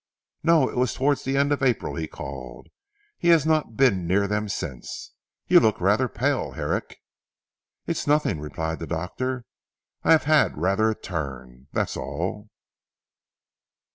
"No! It was towards the end of April he called. He has not been near them since. You look rather pale, Herrick." "It's nothing," replied the doctor. "I have had rather a turn, that's all."